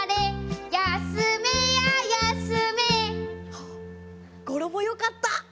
あっ語呂もよかった。